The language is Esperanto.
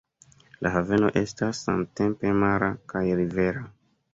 La haveno estas samtempe mara kaj rivera.